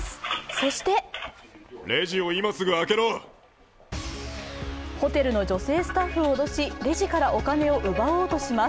そしてホテルの女性スタッフを脅し、レジからお金を奪おうとします。